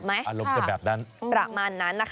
อารมณ์เป็นแบบนั้น